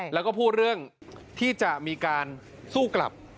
แล้วก็พูดเรื่องที่จะมีการสู้กลับ